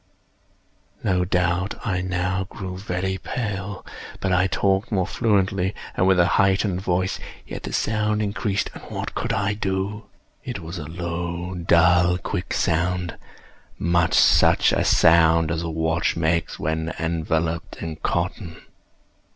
No doubt I now grew very pale;—but I talked more fluently, and with a heightened voice. Yet the sound increased—and what could I do? It was a low, dull, quick sound—much such a sound as a watch makes when enveloped in cotton.